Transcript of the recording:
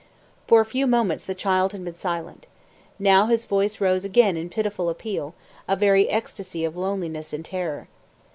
For a few moments the child had been silent. Now his voice rose again in pitiful appeal, a very ecstasy of loneliness and terror.